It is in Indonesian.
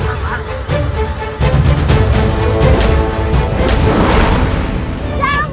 apa yang kalian lakukan